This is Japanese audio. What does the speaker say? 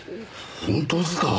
本当ですか？